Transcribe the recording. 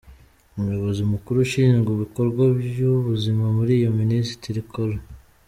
Umuyobozi mukuru ushinzwe ibikorwa by’ubuzima muri iyo Minisiteri, Col.